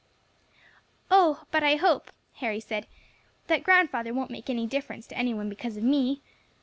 "Oh! but I hope," Harry said, "that grandfather won't make any difference to any one because of me.